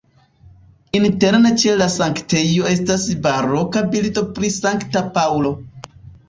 Interne ĉe la sanktejo estas baroka bildo pri Sankta Paŭlo.